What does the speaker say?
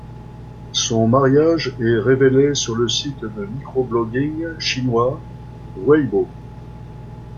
Son mariage est révélé sur le site de micro-blogging chinois Weibo.